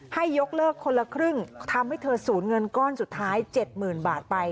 ให้ยกเลิกคนละครึ่งทำให้เธอสูญเงินก้อนสุดท้าย๗๐๐๐บาทไป